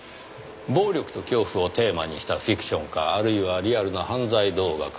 暴力と恐怖をテーマにしたフィクションかあるいはリアルな犯罪動画か。